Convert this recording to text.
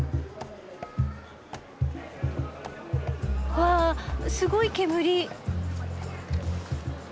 わすごい煙。